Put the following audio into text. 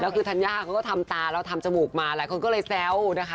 คือธัญญาเขาก็ทำตาเราทำจมูกมาหลายคนก็เลยแซวนะคะ